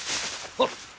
あっ！